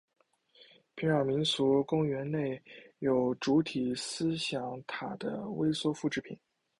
平壤民俗公园内有主体思想塔的微缩复制品。